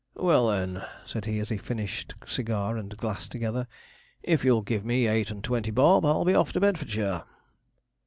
'Well, then,' said he, as he finished cigar and glass together, 'if you'll give me eight and twenty bob, I'll be off to Bedfordshire.'